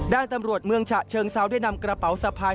ด้านตำรวจเมืองฉะเชิงเซาได้นำกระเป๋าสะพาย